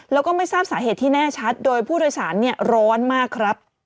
แล้วก็ไม่ทราบสาเหตุที่แน่ชัดโดยผู้โดยสารร้อนมากครับ